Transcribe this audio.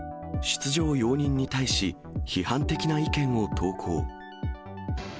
出場容認に対し、批判的な意見を投稿。